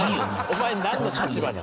お前なんの立場だ？